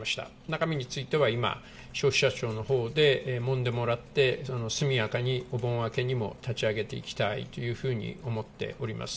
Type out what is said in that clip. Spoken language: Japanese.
中身については今、消費者庁のほうでもんでもらって、速やかに、お盆明けにも立ち上げていきたいというふうに思っております。